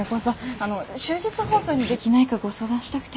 あの終日放送にできないかご相談したくて。